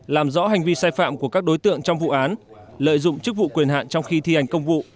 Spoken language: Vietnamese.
làm rõ hành vi sai phạm của các đối tượng trong vụ án lợi dụng chức vụ quyền hạn trong khi thi hành công vụ